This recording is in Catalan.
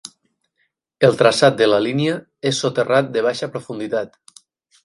El traçat de la línia és soterrat de baixa profunditat.